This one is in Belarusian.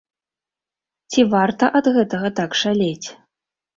Ці варта ад гэтага так шалець?